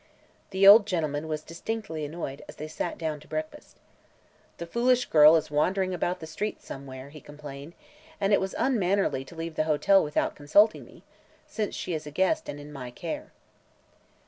The old gentleman was distinctly annoyed as they sat down to breakfast. "The foolish girl is wandering about the streets, somewhere," he complained, "and it was unmannerly to leave the hotel without consulting me, since she is our guest and in my care."